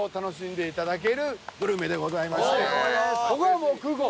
ここがもう空港。